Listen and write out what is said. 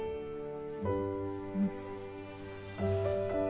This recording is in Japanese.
うん。